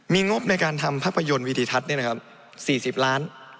มีงบในการทำภาพยนต์วิธีจัดนี่นะครับ๔๐ล้าน